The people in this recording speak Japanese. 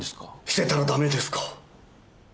してたら駄目ですか？